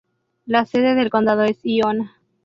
La sede del condado es Ionia.